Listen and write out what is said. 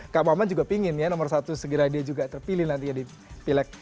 kak maman juga pingin ya nomor satu segera dia juga terpilih nantinya di pileg